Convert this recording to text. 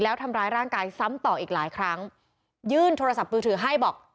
แล้วทำร้ายร่างกายซ้ำต่ออีกหลายครั้งยื่นโทรศัพท์มือถือให้บอก